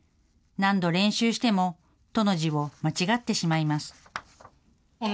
何度練習しても徒の字を間違ってしまいます。